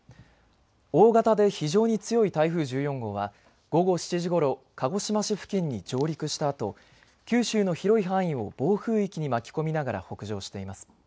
大型で非常に強い台風１４号は午後７時ごろ鹿児島市付近に上陸したあと、九州の広い範囲を暴風域に巻き込みながら北上しています。